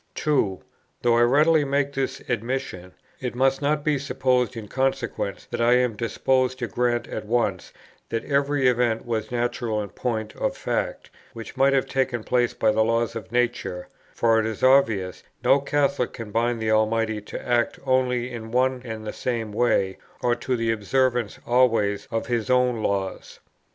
2. Though I readily make this admission, it must not be supposed in consequence that I am disposed to grant at once, that every event was natural in point of fact, which might have taken place by the laws of nature; for it is obvious, no Catholic can bind the Almighty to act only in one and the same way, or to the observance always of His own laws.